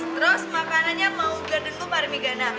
terus makanannya mau garden blue parmigiana